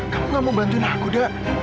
kamu gak mau bantuin aku dak